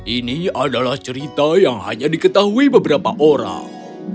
ini adalah cerita yang hanya diketahui beberapa orang